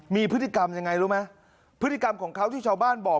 มีพฤติกรรมยังไงรู้ไหมพฤติกรรมของเขาที่ชาวบ้านบอก